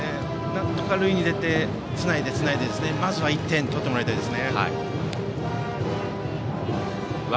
なんとか塁に出てつないで、つないでまずは１点取ってもらいたいです。